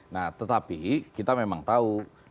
nah tetapi kita memang tahu